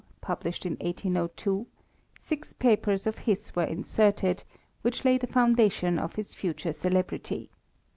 published in 1802, six papers of his were inserted, which laid the foundation of his future celebrity.